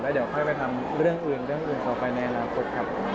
แล้วเดี๋ยวค่อยไปทำเรื่องอื่นต่อไปในอนาคตครับ